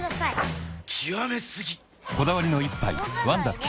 こだわりの一杯「ワンダ極」